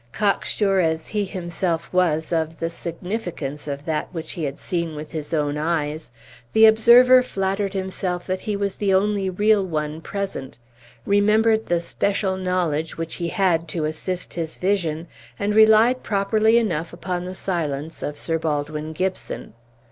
Cocksure as he himself was of the significance of that which he had seen with his own eyes, the observer flattered himself that he was the only real one present; remembered the special knowledge which he had to assist his vision; and relied properly enough upon the silence of Sir Baldwin Gibson.